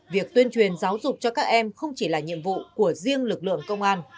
việc tuyên truyền giáo dục cho các em không chỉ là nhiệm vụ của riêng lực lượng công an